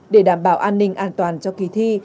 để đảm bảo an ninh an toàn cho kỳ thi